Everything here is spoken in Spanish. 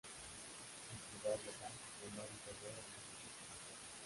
Entidad Local Menor Inferior al Municipio.